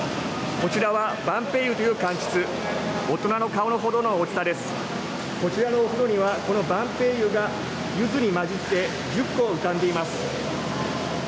こちらのお風呂にはこの晩白柚がゆずにまじって１０個浮かんでいます。